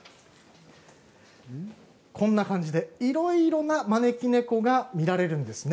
こんな感じでいろいろな招き猫が見られるんです。